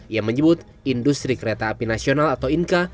ia menyebut industri kereta api nasional atau inka